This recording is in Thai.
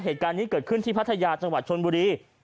เหตุการณ์นี้เกิดขึ้นที่พัทยาจังหวัดชนบุรี